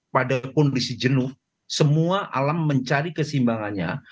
maka ada suatu pada kondisi jenuh semua alam mencari kesimbangannya